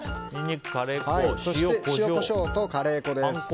そして塩、コショウとカレー粉です。